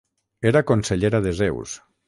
Era consellera de Zeus.